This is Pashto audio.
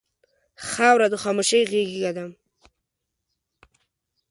خاوره د خاموشۍ غېږه ده.